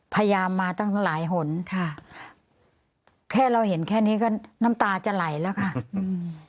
พยายามมาตั้งหลายหนค่ะแค่เราเห็นแค่นี้ก็น้ำตาจะไหลแล้วค่ะอืม